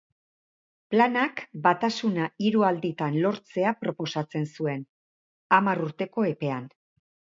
Planak batasuna hiru alditan lortzea proposatzen zuen, hamar urteko epean.